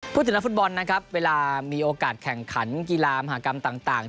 พูดถึงนักฟุตบอลนะครับเวลามีโอกาสแข่งขันกีฬามหากรรมต่าง